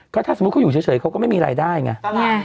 ถ้าสมมุติเขาอยู่เฉยเขาก็ไม่มีรายได้ไง